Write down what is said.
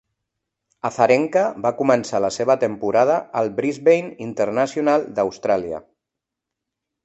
Azarenka va començar la seva temporada al Brisbane International d'Austràlia.